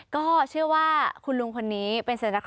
ก็เชื่อว่าคุณลุงคนนี้เป็น